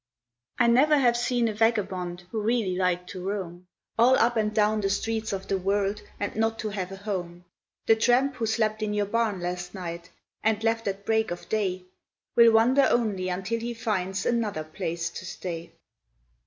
I never have seen a vagabond who really liked to roam All up and down the streets of the world and not to have a home: The tramp who slept in your barn last night and left at break of day Will wander only until he finds another place to stay.